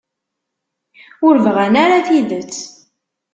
Ur bɣan ara tidet.